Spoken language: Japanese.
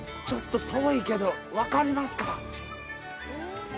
ちょっと遠いけど分かりますか？